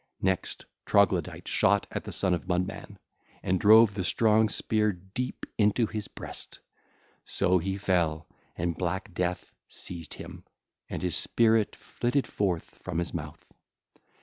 Next Troglodyte shot at the son of Mudman, and drove the strong spear deep into his breast; so he fell, and black death seized him and his spirit flitted forth from his mouth.